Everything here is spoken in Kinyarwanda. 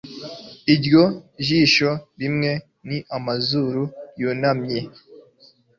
iryo jisho rimwe n'amazuru yunamye